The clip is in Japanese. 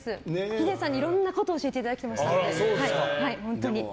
ヒデさんにいろんなことを教えていただきましたので。